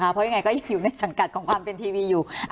เพราะยังไงก็ยังอยู่ในสังกัดของความเป็นทีวีอยู่